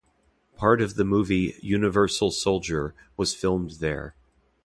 Part of the movie "Universal Soldier" was filmed there.